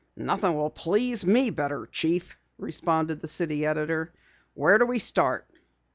"Nothing will please me better, Chief," responded the city editor. "Where do we start?"